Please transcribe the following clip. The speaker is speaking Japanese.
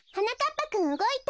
ぱくんうごいた。